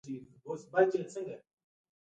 په لاره ځي له خندا شینې دي.